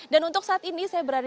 dan untuk saat ini saya berada di